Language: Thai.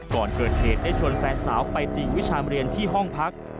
ก่อนเกิดเหตุได้ชวนแฟนสาวไปตีวิชามเรียนที่ห้องพัก